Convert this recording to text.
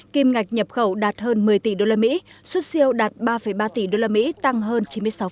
kim ngạch nhập khẩu đạt hơn một mươi tỷ usd xuất siêu đạt ba ba tỷ usd tăng hơn chín mươi sáu